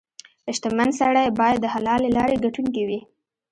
• شتمن سړی باید د حلالې لارې ګټونکې وي.